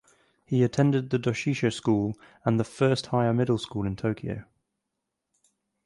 He attended the Doshisha School and the First Higher Middle School in Tokyo.